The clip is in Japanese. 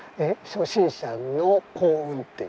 初心者の幸運って。